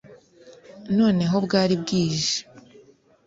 noneho bwari bwije